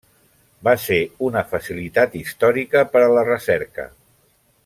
Va ser una facilitat històrica per a la recerca.